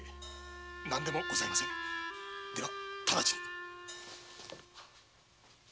なんでもございませんではただちに。